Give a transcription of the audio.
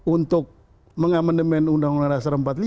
untuk mengamandemen undang undang dasar empat puluh lima